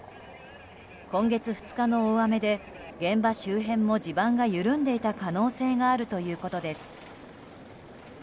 今月２日の大雨で現場周辺も地盤が緩んでいた可能性があるということです。